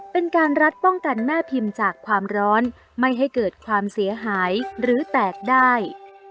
เป็นการรัดป้องกันแม่พิมพ์จากความร้อนไม่ให้เกิดความเสียหายหรือแตกได้